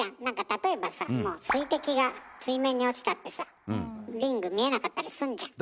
例えばさ水滴が水面に落ちたってさリング見えなかったりすんじゃん。